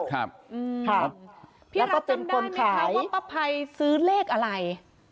พี่รัฐจำได้ไหมคะว่าประไพยซื้อเลขอะไร